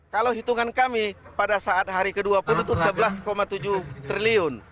kalau hitungan kami pada saat hari ke dua puluh itu rp sebelas tujuh triliun